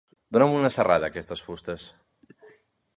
Dona'm una serrada a aquestes fustes.